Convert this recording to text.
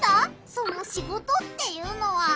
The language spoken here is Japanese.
その「シゴト」っていうのは。